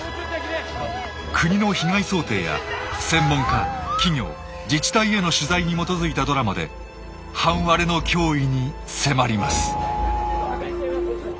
国の被害想定や専門家企業自治体への取材に基づいたドラマで半割れの脅威に迫ります。